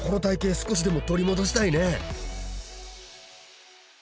少しでも取り戻したいね！